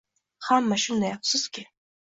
Hamma shunday, afsuski